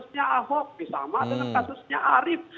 kasusnya ahok sama dengan kasusnya arief